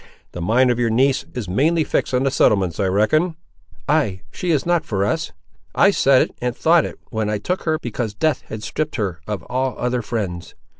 The mind of your niece is mainly fixed on the settlements, I reckon." "Ay, she is not for us; I said it, and thought it, when I took her, because death had stripped her of all other friends.